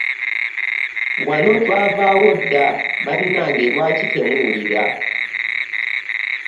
Wano twavaawo dda bannange lwaki temuwulira?